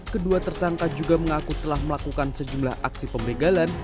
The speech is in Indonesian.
kedua tersangka juga mengaku telah melakukan sejumlah aksi pembegalan